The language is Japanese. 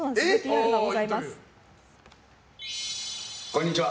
こんにちは。